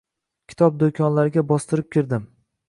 Kitob do’konlariga bostirib kirdim